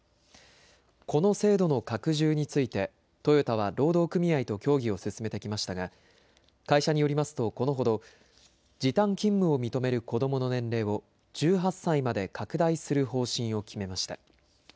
この制度の拡充についてトヨタは労働組合と協議を進めてきましたが会社によりますと、このほど時短勤務を認める子どもの年齢を１８歳まで拡大する方針を決めました。